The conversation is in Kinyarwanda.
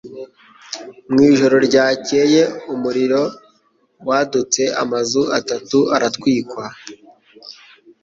Mu ijoro ryakeye umuriro wadutse amazu atatu aratwikwa